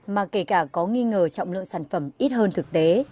mà kể cả có nghi ngờ trọng lượng sản phẩm ít hơn thực tế